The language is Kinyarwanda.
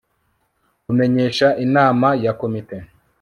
kumenyesha Inama ya komite